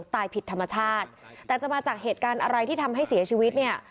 ตายผิดธรรมชาติแต่จะมาจากเหตุการณ์อะไรที่ทำให้เสียชีวิตเนี่ย